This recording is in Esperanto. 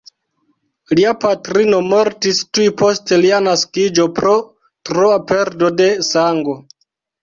Lia patrino mortis tuj post lia naskiĝo pro troa perdo de sango.